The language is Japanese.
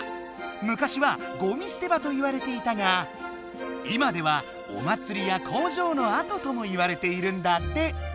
昔はごみ捨て場といわれていたが今ではお祭りや工場のあとともいわれているんだって。